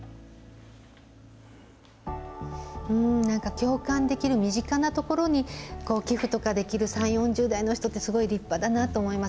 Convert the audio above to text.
共感できる身近なところに、寄付とかできる３、４０代の人ってすごい立派だなと思います。